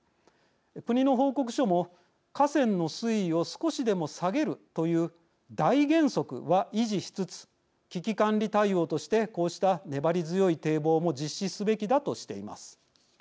国の報告書も河川の水位を少しでも下げるという大原則は維持しつつ危機管理対応としてこうした粘り強い堤防も実施すべきだとしています。